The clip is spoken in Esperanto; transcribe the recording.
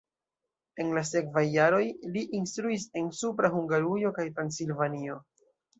En la sekvaj jaroj li instruis en Supra Hungarujo kaj Transilvanio.